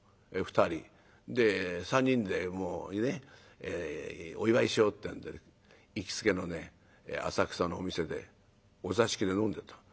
２人。で３人でお祝いしようってんで行きつけのね浅草のお店でお座敷で飲んでたの。